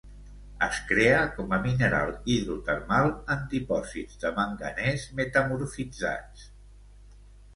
Es crea com a mineral hidrotermal en dipòsits de manganès metamorfitzats.